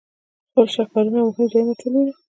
خپل شهکارونه او مهم ځایونه ټول وینو.